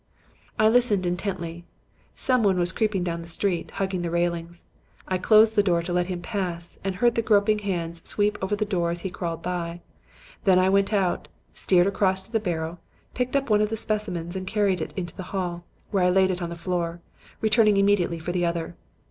"I listened intently. Someone was creeping down the street, hugging the railings. I closed the door to let him pass, and heard the groping hands sweep over the door as he crawled by. Then I went out, steered across to the barrow, picked up one of the specimens and carried it into the hall, where I laid it on the floor, returning immediately for the other.